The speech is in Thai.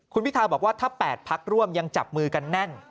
คุณพิทาบอกว่าถ้า๘พักร่วมยังจับมือกันแน่น